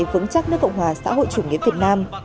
vững chắc nước cộng hòa xã hội chủ nghĩa việt nam